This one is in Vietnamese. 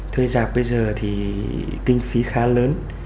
thuê giạc bây giờ thì kinh phí khá lớn